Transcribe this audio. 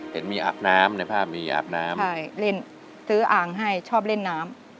เห็นมีอาบน้ำในภาพมีอาบน้ำใช่เล่นซื้ออ่างให้ชอบเล่นน้ำ